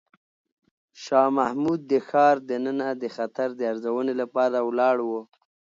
شاه محمود د ښار دننه د خطر د ارزونې لپاره ولاړ و.